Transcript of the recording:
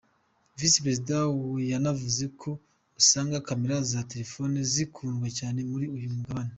Visi Perezida wa yanavuze ko usanga camera za telefoni zikundwa cyane muri uyu mugabane